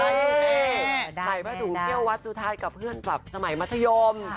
ใส่มาถึงเที่ยววัดสุทธาตุกับเพื่อนสมัยมัธยม